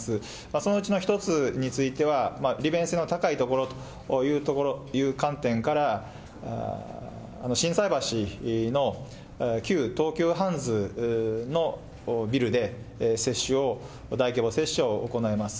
そのうちの１つについては、利便性の高い所という観点から、心斎橋の旧東急ハンズのビルで、接種を、大規模接種を行います。